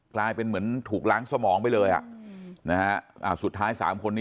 กลายเป็นเหมือนถูกล้างสมองไปเลยอ่ะนะฮะสุดท้ายสามคนนี้